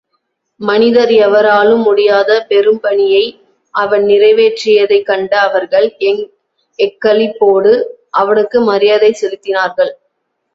மனிதர் எவராலும் முடியாத பெரும்பணியை அவன் நிறைவேற்றியதைக் கண்ட அவர்கள், எக்களிப்போடு அவனுக்கு மரியாதை செலுத்தினார்கள்.